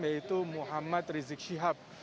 yaitu muhammad rizik siap